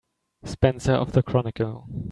Spencer of the Chronicle.